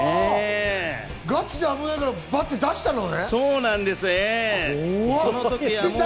ガチで危ないからバッて出したのね。